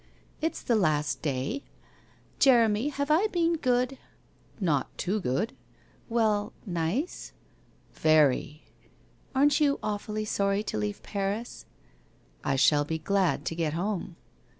' It's the last day. Jeremy, have I been good ?' Not too good.' 'Well, nice?' 'Very!' ' Aren't you awfully sorry to leave Paris ?'' I shall be glad to get home.'